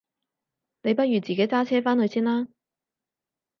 你不如自己揸車返去先啦？